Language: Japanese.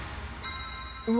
うわ！